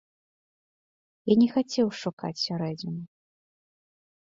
Я не хацеў шукаць сярэдзіну.